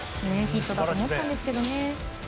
ヒットだと思ったんですけどね。